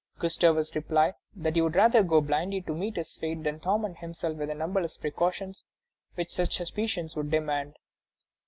Gustavus replied that he would rather go blindly to meet his fate than torment himself with the numberless precautions which such suspicions would demand.